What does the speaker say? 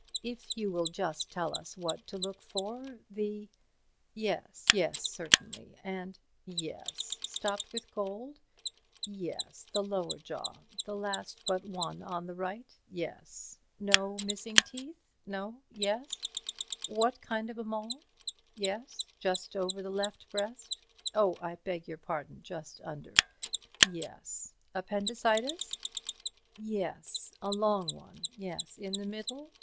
If you will just tell us what to look for–the—? Yes, yes, certainly—and—yes—stopped with gold? Yes—the lower jaw, the last but one on the right? Yes—no teeth missing—no—yes? What kind of a mole? Yes—just over the left breast? Oh, I beg your pardon, just under—yes—appendicitis? Yes—a long one—yes—in the middle?